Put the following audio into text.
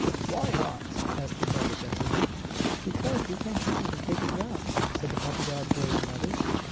"Why, not?" asked the rabbit gentleman. "Because we can't get him to take a drop," said the puppy dog boy's mother.